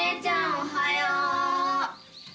おはよう。